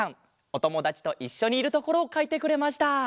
おともだちといっしょにいるところをかいてくれました。